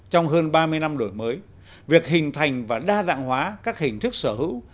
trong hơn ba mươi năm đổi mới việc hình thành và đa dạng hóa các hình thức sở hữu